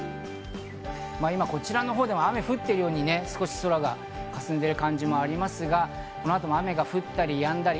今こちらのほうでも雨が降っているようにね、少し空がかすんでいる感じですが、この後も雨が降ったり止んだり。